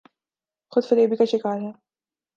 خود فریبی کا شکارہیں۔